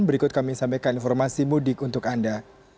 berikut kami sampaikan informasi mudik untuk anda